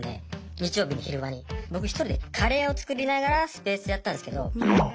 日曜日の昼間に僕１人でカレーを作りながらスペースやってたんですけどで